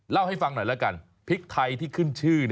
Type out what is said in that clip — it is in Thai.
เล่าให้ฟังหน่อยแล้วกันพริกไทยที่ขึ้นชื่อ